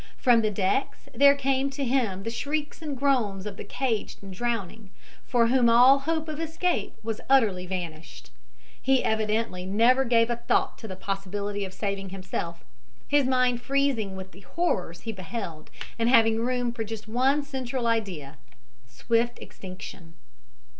From the decks there came to him the shrieks and groans of the caged and drowning, for whom all hope of escape was utterly vanished. He evidently never gave a thought to the possibility of saving himself, his mind freezing with the horrors he beheld and having room for just one central idea swift extinction.